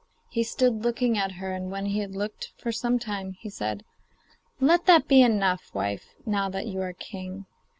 He stood looking at her, and when he had looked for some time, he said: 'Let that be enough, wife, now that you are king!